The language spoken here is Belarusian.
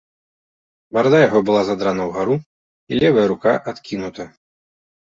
Барада яго была задрана ўгару, і левая рука адкінута.